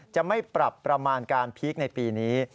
จะไม่ปรับประมาณการพีคในปีนี้